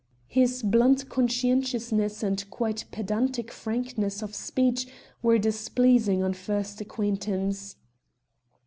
His blunt conscientiousness and quite pedantic frankness of speech were displeasing on first acquaintance.